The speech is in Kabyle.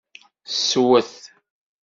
Swet.